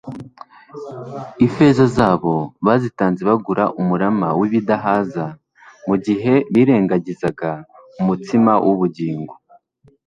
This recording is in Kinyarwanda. Ifeza zabo bazitanze bagura umurama w'ibidahaza mu gihe birengagizaga umutsima w'ubugingo